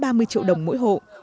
bán ba mươi triệu đồng mỗi hộ